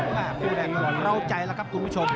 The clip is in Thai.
แม่ฟูได้ตลอดเราใจแล้วครับคุณผู้ชม